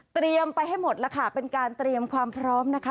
ไปให้หมดแล้วค่ะเป็นการเตรียมความพร้อมนะคะ